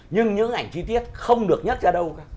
nhưng những ảnh chi tiết không được nhắc ra đâu